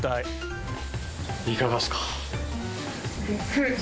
いかがですか？